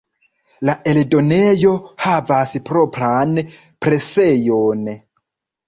La eldonejo havas propran presejon.